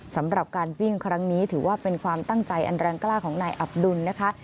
สำหรับการวิ่งครั้งนี้ถือว่าเป็นความตั้งใจอันแรงกล้าของนายอับดุลนะคะ